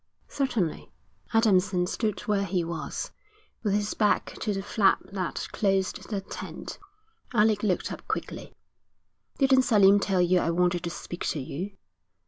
'Certainly.' Adamson stood where he was, with his back to the flap that closed the tent. Alec looked up quickly. 'Didn't Selim tell you I wanted to speak to you?'